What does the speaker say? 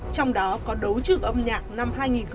trong đó có đấu trường âm nhạc năm hai nghìn một mươi tám